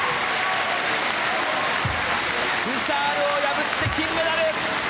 ブシャールを破って金メダル！